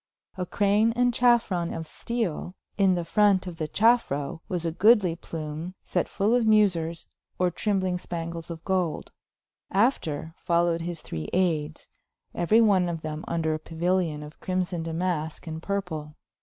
A crane and chafron of stele, in the front of the chafro was a goodly plume set full of musers or trimbling spangles of golde. After folowed his three aydes, euery of them vnder a Pauilion of Crymosyn Damaske & purple.